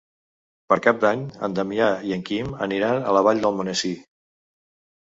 Per Cap d'Any en Damià i en Quim aniran a la Vall d'Almonesir.